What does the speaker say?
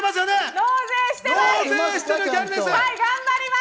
納税してます！